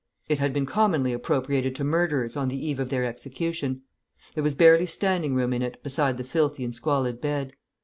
It had been commonly appropriated to murderers on the eve of their execution. There was barely standing room in it beside the filthy and squalid bed.